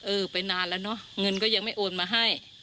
ไปนานแล้วเนอะเงินก็ยังไม่โอนมาให้